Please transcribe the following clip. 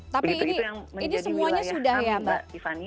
tapi ini semuanya sudah ya mbak tiffany